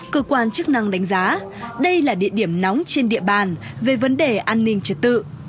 cơ quan chức năng đánh giá đây là địa điểm nóng trên địa bàn về vấn đề an ninh trật tự